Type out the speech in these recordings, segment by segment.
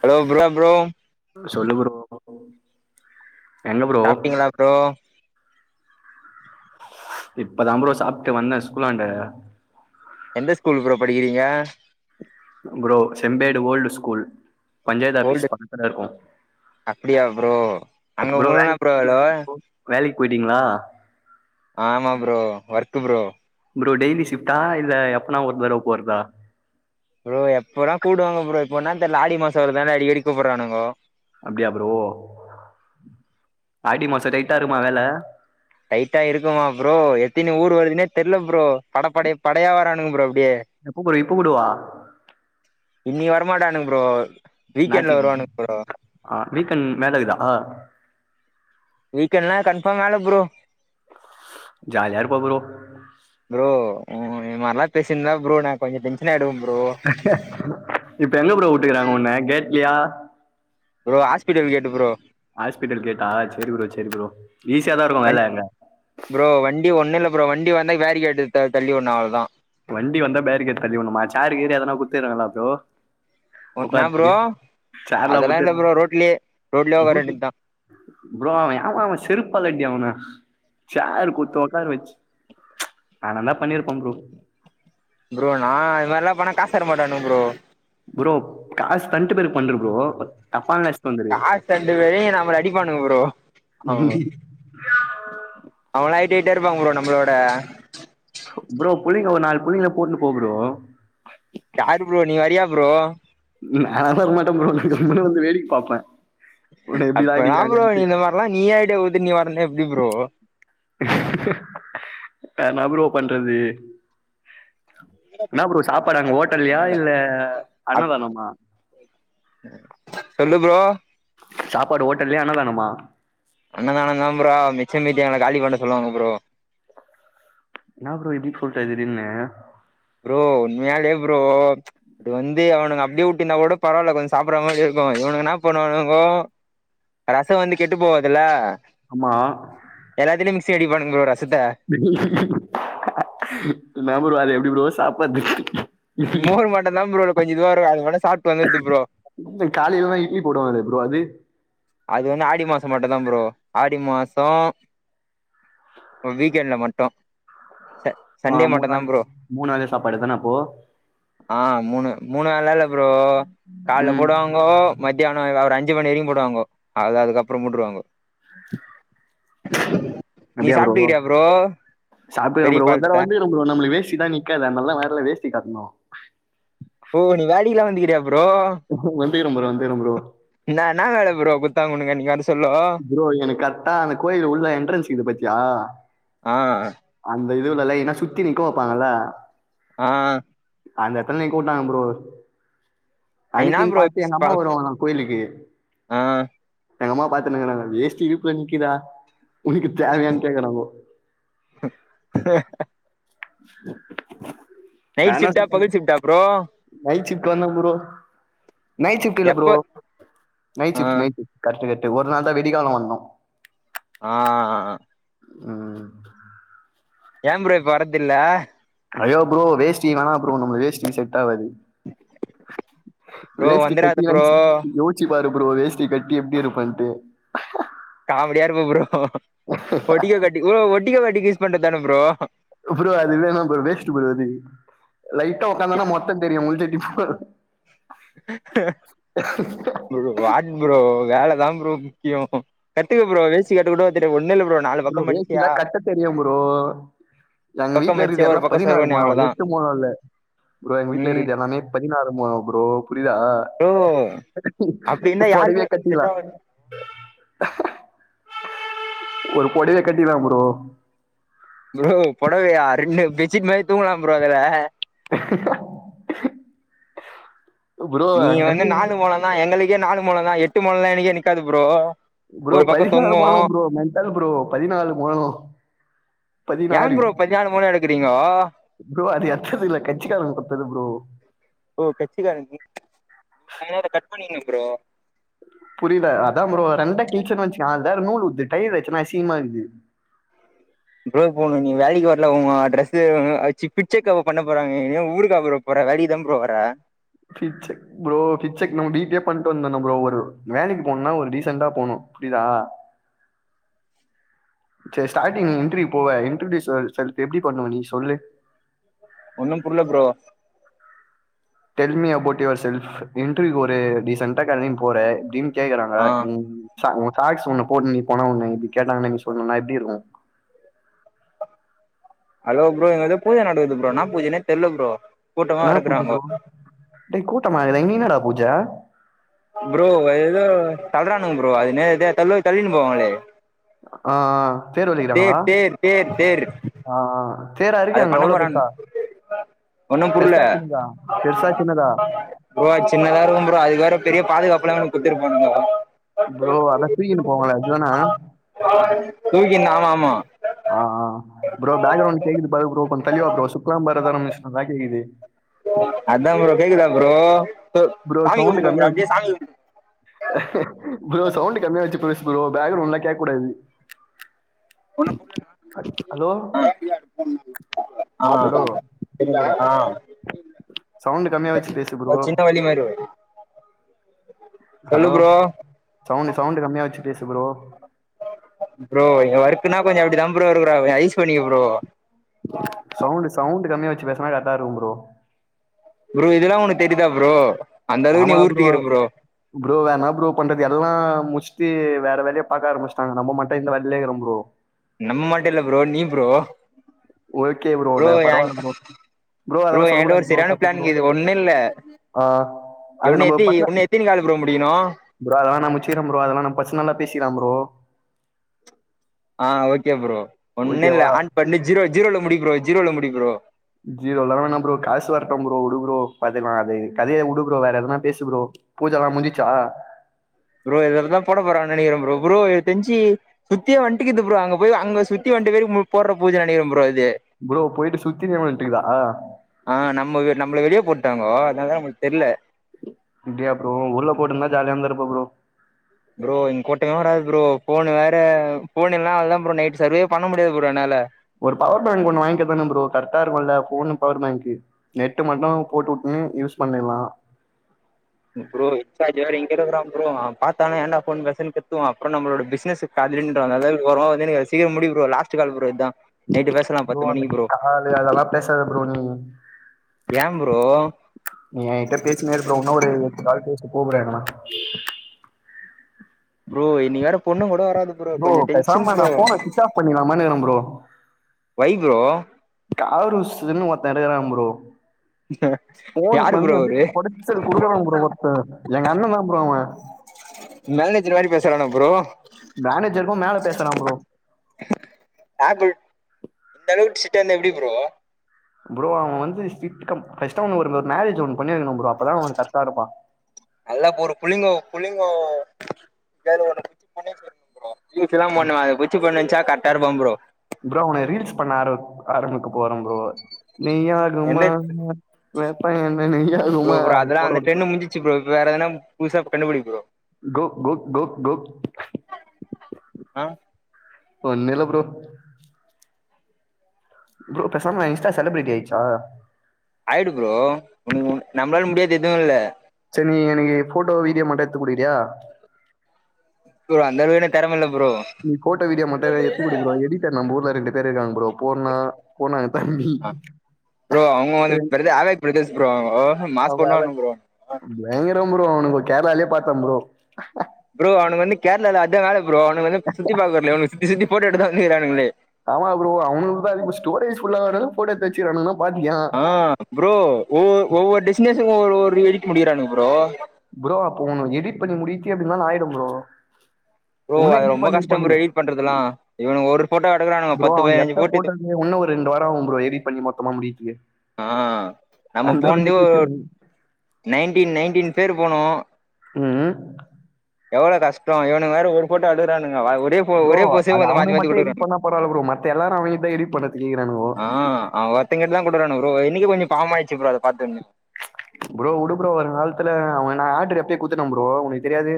hello bro bro சொல்லு bro எங்க bro சாப்டீங்களா ப்ரோ இப்பத்தா ப்ரோ சாப்டு வந்தே ஸ்கூலாண்ட எந்த ஸ்கூல்ப்ரோ படிக்கீறீங்க bro Sembedu old school panchayat old office பக்கத்துல இருக்கு அப்டியா ப்ரோ அங்க உங்ள ப்ரோ வேல வேலைக்கு போயிட்டீங்களா ஆமா bro work bro bro daily ஸிப்ட்டா இல்ல எப்பனா ஒரு தர போறத ப்ரோ எப்பனா கூப்டுவாங்க ப்ரோ இப்ப என்னனு தெர்ல ஆடி மாசம் வர்ரதால அடிக்கக்கடி கூப்றானுங்க அப்டியா ப்ரோ ஆடி மாச டயிட்டா இருக்குமா வேல டயிட்டா இருக்குமா ப்ரோ எத்தினி ஊர் வருதுன்னே தெரில ப்ரோ பட படப் படையா வரானுங்க ப்ரோ அப்டியே எப்ப கூ இப்ப கூடவா இன்னிய வரமாட்டானுங்க ப்ரோ வீகெண்ட்ல ஞாயித்துக்கெழம வருவானுங்க ப்ரோ ஆ வீக்கெண்ட் வேலக்குதா வீகெண்ட்ல கான்ஃபோர் வேல ப்ரோ ஜாலியா இருப்ப ப்ரோ ம் இது மாரிலா பேசினுயிருந்தா நா கொஞ்சோ டென்ஷன் ஆயிடுவே ப்ரோ இப்போ எங்க ப்ரோ விட்ருக்காங்க உன்ன கேட்லியா ப்ரோ ஹாஸ்பிடல் கேட்டு ப்ரோ ஹாஸ்பிடல் கேட்டா சேரி ப்ரோ சேரி ப்ரோ ஈஸியா தா இருக்கு வேல அங்க ஸ் ப்ரோ வண்டி ஒண்ணு இல்ல ப்ரோ வண்டி வந்த பேரிகாட்டுக்கு த தள்ளிவுடனு அவ்ளோதா வண்டி வந்தா பேரிகேட் தள்ளிவுடனுமா சேரு கீறு எதனா குடுத்துக்குறாங்களா ப்ரோ என்னா ஒக்கார்ரதுக்கு ப்ரோ சேர்லா அதெல்லா இல்ல குடுத்துங்க ப்ரோ ரோட்லயே ரோட்லயே உக்கார வேண்டியதா [inaudible] ப்ரோ அவ யாவ செருப்பாலடி அவன சேர் குத்து ஒக்கர வச்சி ப்ச் நானாருந்தா பண்ணிருப்பே ப்ரோ ப்ரோ நான இத மாறில்ல பண்ணா காஸ் தரமாட்டானுங்க ப்ரோ ப்ரோ காஸ் தண்டு பேர்பண்று ப்ரோ தப்பா நஸ் காஸ் தண்டுவேரையு நம்மள அடிப்பானுங்க ப்ரோ அஹ் இடியாப்போ..... அவன்ல ஹையிட் ஹையிட்டா இருப்பாங்க ப்ரோ நம்மள விட ப்ரோ புள்ளிங்கோ ஒரு நாலு புள்ளிங்கள கூட்னு போ ப்ரோ யாரு ப்ரோ நீ வரியா ப்ரோ நாலா வரமாட்டே ப்ரோ கம்முன்னு வந்து வேடிக்க பாப்பே அப்பத ப்ரோ இந்த மாரியெல்லா நீயே ஐடியா குத்துட்டு நீயே வரலைன்னா எப்டி ப்ரோ நா என்ன ப்ரோ பண்றது என்ன ப்ரோ சாப்பாடு அங்க ஹோட்டல்லையா இல்ல அன்னதானமா சொல்லு ப்ரோ சாப்பாடு ஹோட்டல்லையா அன்னதானமா அன்னதான தா ப்ரோ மிச்சமீதி எங்ள காலி பண்ண சொல்லுவாங்க ப்ரோ என்ன ப்ரோ இப்டி சொல்ட்ட திடீர்னு ப்ரோ உண்மையாலே ப்ரோ ப்ச் இது வந்து அவனுங்க அப்டியே வுட்ந்தா கூட பரவலா கொஞ்சோ சாப்ற மாரி இருக் கு இவனுங்க என்ன பண்ணுவானுங்க ரச வந்து கேட்டு போவாதுல்ல ஆமா சேடி பண்ணுங்ளோட என்ன ப்ரோ அது எப்டி ப்ரோ சாப்பர்துக் மோர் மட்டுந்தா ப்ரோ கொஞ்சொ இதுவா இருக்கு அது மட்டு சாப்ட்டு வந்துட்ட ப்ரோ இந்த காலைல்லா இட்லி போடுவானே ப்ரோ அது அது வந்து ஆடி மாசம் மட்டுந்தா ப்ரோ ஆடி மாசோ அ வீக்கெண்ட்ல மட்டு ச ஆ சண்டே மட்டுந்தா மூணாளக் ப்ரோ மூணு அதே சாப்பாடு தான அப்போ ஆ மூணு மூணு வேல்லா இல்ல ப்ரோ கால்ல ம் போடுவாங்கோ மத்யா ணொ ஒரு அஞ்சி மணிரையும் போடுவாங்கோ அது அதுக்கப்பறோ மூட்ருவாங்கோ அ நீ சாப்ட்டுக்குறியா ப்ரோ சாப்டுவ பெரிய ப்ரோ ஒர்த்தடவ பால்ட்ட வந்துக்குற ப்ரோ நம்ளுக்கு வேஸ்டிதா நிக்காது அத்னாலதா வர்ல வேஸ்டி கட்ணு ஓ நீ வேலைக்குலா வந்துக்கிறியா ப்ரோ வந்துக்குற ப்ரோ வந்துக்குற ப்ரோ இன்னா இன்னா வேல ப்ரோ குட்தாங்க ஒனக்கு அன்னிக்கி ப்ரோ எனக் கர்ட்டா அந்த கோய்லு உள்ள என்ட்ரன்ஸ் இக்குது பாத்தியா ஆ அந் த இதுவு நல்லை என்ன சுத்தி நிக்கொ வொப்பாங்கல்ல ஆ அந்த எட்த்ல நிக்க உட்டாங்க ப்ரோ என்னா அன்னிக்கின் ப்ரோ பாத்து எங்க அம்மா வருவாங்களா கோயிலுக்கு ஆ எங்கம்மா பாத்துனுருக்குறாங்க வேஸ்டி இடுப்ல நிக்கிதா உனுக்கு தேவையான் கேக்கறாங்கோ [inaudible] நைட் ஷிஃப்டா பகல் ஷிஃப்டா ப்ரோ நைட் ஷிஃப்ட்டு வந்தம் ப்ரோ நைட் ஷிஃப்ட்டில்ல ப்ரோ எப்ப நைட் ஆ ஷிஃப்ட் நைட் ஷிஃப்ட் கர்ட்டு க டு ஒரு நாள் தா விடிக்காலொ வந்தோ ஆ ஆ ஏம் ப்ரோ இப்ப வர்றதில்ல ஐயோ ப்ரோ வேஸ்டி வேணா ப்ரோ நம்ளு வேஸ்டி செட்டாவாது ப்ரோ வேஸ்டி வந்துராத ப்ரோ [unintelligible] யோச்சி பாரு ப்ரோ வேஸ்டி கட்டி எப்டி இருக்குன்ட்டு காமடியா இருக்கு ப்ரோ ஒட்டிகோ கட்டிக்கோ ஓ ஒட்டிகோ கட்டிகோ யூஸ் பண்றத்தான ப்ரோ ப்ரோ அது வேணாம் ப்ரோ வேஸ்ட்டு ப்ரோ அது லைட்டா ஒக்காந்தனா மொத்தத் தெரியு முஞ்சி [unintelligible] ப்ரோ வாட் ப்ரோ வேலதாம் ப்ரோ முக்கியொ கத்துக்க ப்ரோ வேஸ்டி கட்டக் கூடவா தெரிய ப்ரோ வேஸ்டிலா கட்டத் தெரியும் ப்ரோ எங்க பக்கம் வீட்ல மடிச்சியா இருக்குது ஒரு எல்லா பக்கம் பதினாறு சர்வனி மொழொ அவ்ளோதா எட்டு மொழொ இல்ல ப்ரோ எங்க வீட்ல ம் இருக்குற்து எல்லாமே பதினாறு மொழொ ப்ரோ புரிதா யாருமே செட்டாவாத் ஒரு பொடவயே கட்டில்லா ப்ரோ ப்ரோ பொடவையா ரெண்டு பெட் ஷீட் மாரி தூங்கலாம் ப்ரோ அதுல ப்ரோ நீங்க வந்து அங்கருந்து நாலு மொழந்தா எங்களுக்கே நாலு மொழொ தா எட்டு மொழல்லா எனக்கே நிக்காது ப்ரோ ப்ரோ ஒரு பக்கோ பதினாலு தொங்கு மொழொ ப்ரோ மென்ட்டல் ப்ரோ பதினாலு மொழொ ஏ பதினாறு ப்ரோ பதினாலு மொழோ எடுக்குறீங்கோ ப்ரோ அது எட்த்தது இல்ல கட்சிக் காரவ்ங்க குட்த்தது ப்ரோ ஓ கச்சிக்கார நீங் இத கட் பண்ணிங்க ப்ரோ புரியில அதாம் ப்ரோ ரெண்டா கிழ்ச்சன் வச்சிக்யா வேற நூல் உட்து டைரு வச்சுன்னா அசிங்மா இருக்து ப்ரோ இப்போ நீ வேலைக்கி வர்ல உங்க ட்ரஸ்ஸு ஆ சிக் பிச்சக்காவா பண்ண போறாங்க எ ஊருக்கா ப்ரோ போ ற வேலைக்கி தாம் ப்ரோ வர கிட்சே ப்ரோ கிட்சே நம்ம வீட்லயே பண்ணிட்டு வந்தோ ப்ரோ ஒரு வேலக்கி போனுன்னா ஒரு டீசெண்டா போணு புரியுதா சேரி ஸ்டார்டிங் நீ இன்ட்ர்வியூ போவ இன்ட்ருடியூஸ் யுவர் செல்ஃப் எப்டி பண்ணுவ நீ சொல்லு ஒன்னு புர்ல bro tell me about yourself இன்டர்வியூக்கு ஒரு டிசெண்டா கெளம்பி போற திடீர்னு கேக்றாங்க ஆ ம் சா ஓ சாக்ஸ் ஒண்ண போட்டு நீ போன ஒன்ன இப்டி கேட்டாங்கன்னா நீ சொல்லணுன்னா எப்டி இருக்கு ஹலோ ப்ரோ இங்க ஏதோ பூஜ நடக்குது ப்ரோ என்னா பூஜன்னே தெர்ல ப்ரோ கூட்டமா என்ன பூஜா இருக்குறாங்கோ ப்ரோ டேய் கூட்டமாக்குதா இங்க என்னடா பூஜ ப்ரோ ஏதோ தள்ளறானுங்க ப்ரோ அது என்ன எதயோ தள்ள தள்ளின்னு போவாங்களே ஆ தேர் வலிக்கிறாங்களா தேர் தேர் தேர் ஆ தேரா அத இருக்கு அங்க பண்ண அவ்ளோ போறானு பெருசா ஒன்னும் புர்ல பெருசா சின்னதா பெருசா சின்னதா ப்ரோ அது சின்னதா இருக்கு ப்ரோ அதுக்கு வேற பெரிய பாதுகாப்புல்லா ஒன்னு குத்துட்டு போனாங்க ப்ரோ அதான் தூக்கின்னு போவாங்களே அதுதானா தூங்கினானாம் ஆ ஆ ப்ரோ பேக்ரவுண்ட் கேக்குது பாரு ப்ரோ கொஞ்சோ தள்ளி வா ப்ரோ சுக்கலாம்பரதரம் விஷ்ணுன்லா கேக்குது அதா ப்ரோ கேக்குதா ப்ரோ ப்ரோ சாமி சவுண்ட் கும்பிடுங்க கம்மியா ப்ரோ வச்சி அப்டியே சாமி கும்பிடு ப்ரோ சவுண்ட் கம்மியா வச்சி பேசு ப்ரோ பேக்ரவுண்ட்லா கேக்க கூடாது ஒன்னு புரிலன்னா ஹலோ [inaudible] ஆ என்ன பண்ணாங்களோ ஆ ஹலோ இந்தா ஆ சவுண்ட் கம்மியா வச்சி பேசு ப்ரோ ஒரு சின்ன வலி மாரி வரு சொல்லு ஹலோ ப்ரோ சவுண்ட் சவுண்ட் கம்மியா வச்சி பேசு பரோ ப்ரோ இங்க ஒர்க்ன்னா கொஞ்சோ அப்டி தா ப்ரோ இருக்குறா ஐஸ் பண்ணிக்கோ ப்ரோ சவுண்ட் சவுண்ட் கம்மியா வச்சி பேசனா கரெக்ட்டா இருக்கு ப்ரோ ப்ரோ இதெல்லா ஒனக் கேக்குதா ப்ரோ அந்த அளவுக்கு நீ ஆமா ப்ரோ ஊருட்டிக்கிற ப்ரோ வேணா ப்ரோ பண்றது எல்லா முச் சுத்தி வேற வேலய பாக்க ஆரம்பிச்சிட்டாங்க நம்ம மட்டு இந்த வேலேலயே இருக்கோ ப்ரோ நம்ம மட்டு இல்ல ப்ரோ நீ ப்ரோ ஓகே ப்ரோ நா ஏங் பரவாயில்ல ப்ரோ ப்ரோ அதெல்லா என்ட்ட ஒரு சொல்லக்கூடாது ப்ரோ சரியான தப்பு ப்ரோ பிளான்ங்கிது ஒண்ணு இல்ல ஆ அது எவன்னு நம்ம எத்தி பர்சன உன்னு எத்தினு கால் ப்ரோ முடிக்கணு ப்ரோ அதெல்லா நா முச்சிக்கிறே ப்ரோ அதெல்லா நா பர்சனலா பேசிக்கிறே ப்ரோ ஆ ஓகே ப்ரோ ஒண்ணு ஓகேவா இல்ல ஆன் பண்ணி ஜீரோ ஜீரோல முடி ப்ரோ ஜீரோல முடி ப்ரோ ஜீரோல்லா வேணா ப்ரோ காசு வரட்டு ப்ரோ உடுப்ரோ பாத்துக்லா அது கதயை உடுப்ரோ வேற எதனா பேசு ப்ரோ பூஜல்லா முஞ்சிச்சா ப்ரோ இதுல தா போட போறங்கன்னு நெனக்கிறே ப்ரோ ப்ரோ எனக் தெஞ்சி சுத்தியே வண்டிக்கிது ப்ரோ அங்க போய் அங்க சுத்தி ரெண்டு பேரு போடுற பூஜன்னு நெனைக்கிறே ப்ரோ இது ப்ரோ போயிட்டு சுத்தி இருக்குதா ஆ நம்ம நம்மள வெளிய போட்டாங்கோ அதனால தா நம்மளுக்கு தெரில அப்படியா ப்ரோ உள்ள போட்டிருந்தா ஜாலியா இருந்திருப்ப ப்ரோ ப்ரோ இங்க கூட்டமே வராது ப்ரோ ஃபோன் வேற ஃபோன் இல்லன்னா அவ்ளோ தா ப்ரோ நைட் சர்வேயே பண்ண முடியாது ப்ரோ என்னால ஒரு பவர் பேங்க் ஒன்னு வாங்கிக்கதான ப்ரோ கரெக்டா இருக்குல்ல ஃபோன்ன பவர் பேங்க் நெட்டு மட்டு போட்டு வுட்டன்னா யூஸ் பண்ணிறலா ப்ரோ ஹெச் ஆர் வேற இங்க தா இருக்குறா ப்ரோ அவே பாத்தான்னா ஏண்டா ஃபோன் பேசுறன்னு திட்டுவா அப்றோ நம்மளோட பிசினஸ் திடீர்னு நின்டாங்க அதுக்காக இப்டி ஓரமா வந்து எனக்கு அத சீக்கிரோ முடி ப்ரோ லாஸ்ட் கால் ப்ரோ இதா நைட்டு பேசலா ப்ரோ பத்து அந்த மணிக்கு காலு அதெல்லா பேசாத ப்ரோ நீ ஏன் ப்ரோ நீ ஏ கிட்ட பேசினே இரு ப்ரோ இன்னு ஒரு கால் பேசனு கூப்டவா வேணாமா ப்ரோ இன்னக்கி வேற பொண்ணுங்கோ ப்ரோ பேசாம நா ஃபோன சுவிட்ச் ஆஃப் பண்ணிறலாமானு இருக்றே ப்ரோ வை ப்ரோ காருசுன்னு ஒர் த்தகிறா ப்ரோ ஃபோன் யாரு பண்ணி ப்ரோ அப்டியே அவரு கொடச்சல் குடுக்கறா ப்ரோ ஒருத்த எங்கண்ண தா ப்ரோ அவ மேலநெத்த மாதிரி பேசுறானா ப்ரோ மேனேஜருக்கும் மேல பேசுறான் ப்ரோ அப்பு இந்தளவு சி ட்டன் எப்டி ப்ரோ ப்ரோ அவ வந்து சிட்கம் பேசாம இவனுக்கு ஒரு மேரேஜ் ஒன்னு பண்ணி வைக்கணும் ப்ரோ அப்பதான் அவன் கரெக்டா இருப்பான் நல்லாப்ப ஒரு புல்லிங்கோ புல்லிங் ரில்ஸ்தா பண்ணுவே அது குச்சிப நெனைச்சா க க்காருபம்பு ப்ரோ உனை ரீல்ஸ் பண்ண ஆர ஆரம்பிக்க போறம் ப்ரோ நெய்யாகுமா எந்த வேப்ப எண்ண நெய்யாகுமா அது போடடுப்ப ணம் புதுசா கண்டுபிடி ப்ரோ கு கு கு கு ஆ ஒன்னுல்ல ப்ரோ ப்ரோ பேசாம நா இன்ஸ்டா செலிபிரிட்டி ஆயிச்சா எது இல்ல சரி நீ எனக்கு ஃபோட்டோ வீடியோ மட்டு எடுத்து குடிக்றியா ப்ரோ அந்தளவு எனக் தெரமல்ல நீ போட்ட வீடியோ மட்டு எத்துக் குடு ப்ரோ எடிடர் நம் ஊர்ல ரெண்டு பேரு இருக்காங்க ப்ரோ போனா போனாங்க தம்பி ப்ரோ அவங்க வந்து [unintelligible] மாசு அவன் பண்னுவாங்க ப்ரோ போய் கேரளாலே பாத்தம் ப்ரோ ப்ரோ அவனுங்க வந்து கேரளால அதம்ல ப்ரோ அவனுங்க வந்து சுத்தி பாகல அவக்கு சுத்தி சுத்தி போட்டோ எட்டுதா வந்துக்கானுங்களே ஆமா ப்ரோ அவனுங்கா இப்ப ஸ்டோரேஜ் ஃபுல்லாகுறளவுக் போட்டோ எடுத்து வச்சுருக்குரானுங்கன்னா ஆ ப்ரோ ஒவ்வொ ஒவ்வொரு டெஸ்டினேஷன ஒருஒரு எடிக்க முடியிறானு ப்ரோ ப்ரோ அப்போ உனக் எடிட் பண்ணி முடிச்சுகே எப்டினாலு ஆயிடும் ப்ரோ ப்ரோ இன்னும் அது எடிட் பண்ணி ரொம்பகஷ்டம் ப்ரோ பண்ணுங்க எடிட் பண்றதுலா இவனுங்க ஒரு ஃபோட்டோ எடக்குறானுங்க ப்ரோ பத்து அவன் பதினஞ்சு எத்த போட்டு போட்டோக்கு இன்னும் ஒரு ரெண்டு வார ஆகும் ப்ரோ எடிட் பண்ணி மொத்தமா முடிக்க ஆ நம்ம போனதோ வச்சிருவாங்க நைன்டீன் நைன்டீன் பேரு போனோ ம் ம் எவ்வளோ கஷ்ட இவனுங்க வேற ஒரு ஃபோட்டா எடுக்றானங்க ப்ரோ அது அவனுக்கு மட்டும் எடிட் பண்ணா பரவால்ல ப்ரோ மத்த எல்லாரு அவனுதா எடிட் பண்ணதுக்க கேக்குறானுங்கோ ஆ அ ஒருத்தங்கிட்ட தா குடுக்றானு ப்ரோ இன்னைக்கு கொஞ்ச பாவமாச்சி ப்ரோ அத பாத்து ப்ரோ விடு பரோ வரு காலத்துல அவ நா ஆர்டர் எப்பயே குத்துட்டே ப்ரோ உனக்கு தெரியாது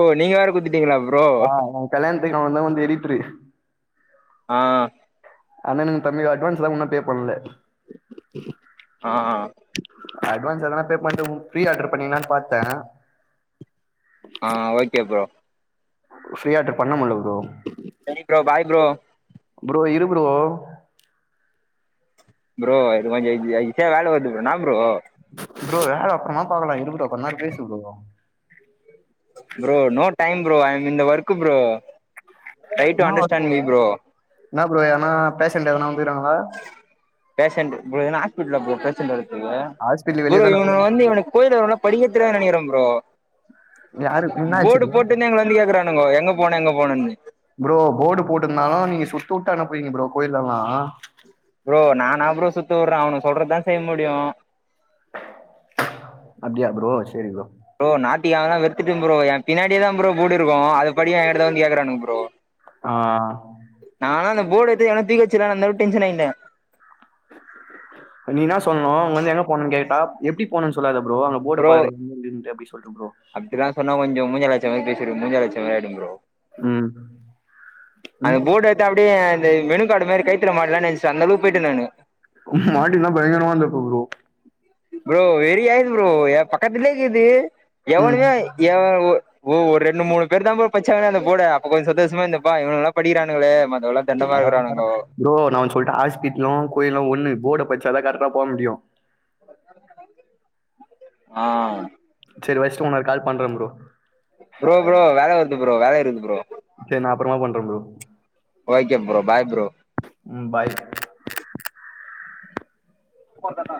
ஓ நீங்க வேர குடுத் ஆ நா கல்யாணத்துக்கு அவந்த வந்து எடிடரு ஆ அண்ணனுங்க தம்பியு அட்வான்ஸ்லா ஒன்னு பே பண்ணல ஆ அட்வான்ஸ் எதானு பே பண்ண ஃப்ரீ ஆர்டர் பண்ணீங்கலானு பாத்தே ஆ ஓகே ப்ரோ ஃப்ரீயாட்டு பண்ண முல ப்ரோ சரி ப்ரோ பாய் ப்ரோ ப்ரோ இரு ப்ரோ ப்ரோ இது கொஞ்ச ஈ ஈஸியா வேல வருது என்னா ப்ரோ ப்ரோ வேல அப்புறமா பாக்லா இரு ப்ரோ கொஞ்சநேர பேசு bro bro no time bro I'm இந்த வர்க்கு ப்ரோ ட்ரை டு என்ன ஒர்க் அண்டர்ஸ்டாட் மீ ப்ரோ பேசன்ந்து எவனவ் பேஷண்டு எதுனா ஆஸ்பிடல் போ பேஷண்டு வர் ஹாஸ்பிட்டல் வெளியே ப்ரோ தானே இவன வந்து இவனுக்கு கோயில்ல இருக்றவன படிக்கவே தெரியாதுன்னு நினைக்றே ப்ரோ யாரு என்ன ஆச்சு போடு ப்ரோ போட்டுன்னே எங்க வந்து கேக்குறானுங்க எங்க போன எங்க போனேன்னு ப்ரோ போர்டு போட்ருந்தாலும் நீங்க சுத்து விட்டா அனுப்புறீங்க ப்ரோ கோயிலல்லா ப்ரோ நானா ப்ரோ சுத்து விட்டுறே அவன சொல்றதுதா செய்ய முடியு அப்டியா ப்ரோ சரி ப்ரோ ப்ரோ நாய்திகிழமலா வெறுத்துட்டே ப்ரோ ஏ பின்னாடி தான் ப்ரோ போடுருக்கும் அது படிக்க ஏன்டதா வந்து கேக்குறானுங்க ப்ரோ ஆ போர்ட எடுத்து ஏங்கனா தூக்கிவச்சுர்ல அந்தஅளவுக்கு டென்சன் ஆயிந்த நீ என்னா சொல்னு உ வந்து எங்க போனன்னு கேட்டா எப்டி போனோன்னு சொல்லாத ப்ரோ அங்க போர்ட பாருங் அப்டி சொல் அப்டிதா சொன்னா கொஞ்சோ மூஞ்சால அடிச்சா மாரி பேசிரு மூஞ்சால அடிச்ச மாரி ஆயிடும் ப்ரோ ம் அந்த ம் போட எடுத்து அப்டியே அந்த மெனுகார்டு மாரி கைத்துல மாட்டலாநெனச்சே அந்த அளவுக்கு போய்ட நானு மாட்டிருந்த பயங்கரமா இருந்துருக்கும் ப்ரோ ப்ரோ வெறிஆய்ருது ப்ரோ ஏ பக்கத்துலேகீது எவனுமே ம் எவ் ஓ ஒரு ரெண்டு மூணு பேருதா ப்ரோ பச்சாங்கஅந்த போட அப்ப கொஞ்ச சந்தோஷமா இருந்தப்பா இவங்கல்ல படிக்கிறானங்களே மத் பரவால்ல பரவால்ல ப்ரோ நாஒன்னு சொல்டா ஹாஸ்பிட்டலு கோயிலு ஒண்ணு போர்ட படிச்சாதா கரெக்ட போம் முடியு ஆ சரி வச்சுட்டு உன்னொரு கால் பண்றே ப்ரோ ப்ரோ ப்ரோ வேல வருது ப்ரோ வேல இருக்து ப்ரோ சேரி நா அப்புறமா பண்றே bro okay bro bye bro ம் பாய் போட்டனா